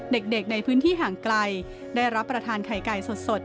เด็กในพื้นที่ห่างไกลได้รับประทานไข่ไก่สด